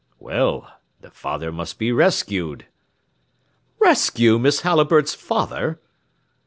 "Well, the father must be rescued." "Rescue Miss Halliburtt's father?"